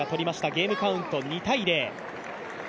ゲームカウント２−０。